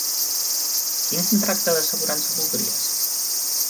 Quin contracte d'assegurança voldries?